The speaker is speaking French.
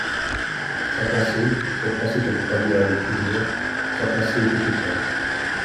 Sa pensée, cette pensée qu'elle croyait à elle toujours, sa pensée était éteinte.